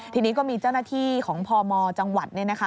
ทีนี้ก็มีเจ้าหน้าที่ของพมจังหวัดเนี่ยนะคะ